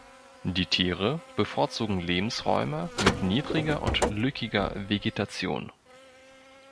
Die Tiere bevorzugen Lebensräume mit niedriger und lückiger Vegetation.